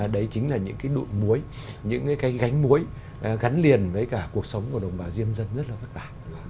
đấy chính là những cái đụn muối những cái gánh muối gắn liền với cả cuộc sống của đồng bào diêm dân rất là vất vả